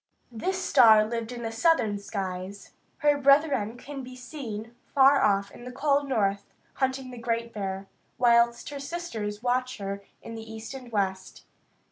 This star lived in the southern skies. Her brethren can be seen far off in the cold north, hunting the Great Bear, whilst her sisters watch her in the east and west.